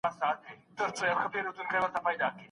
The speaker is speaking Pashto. شریعت په بدیو کي د نجلۍ ورکول نه مني.